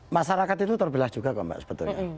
masyarakat itu terbelah juga kok mbak sebetulnya